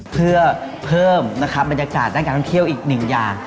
เพื่อเพิ่มนะครับบรรยากาศด้านการท่องเที่ยวอีกหนึ่งอย่าง